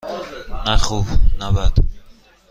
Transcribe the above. نه خوب - نه بد.